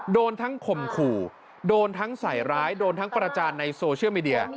โดนทั้งข่มขู่โดนทั้งใส่ร้ายโดนทั้งประจานในโซเชียลมีเดีย